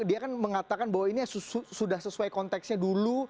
dia kan mengatakan bahwa ini sudah sesuai konteksnya dulu